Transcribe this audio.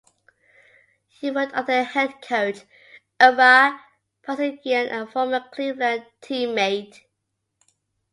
He worked under head coach Ara Parseghian, a former Cleveland teammate.